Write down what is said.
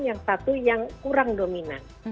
yang satu yang kurang dominan